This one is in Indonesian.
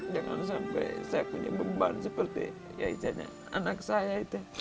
jangan sampai saya punya beban seperti anak saya